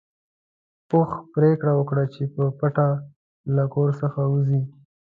اوښ پرېکړه وکړه چې په پټه له کور څخه ووځي.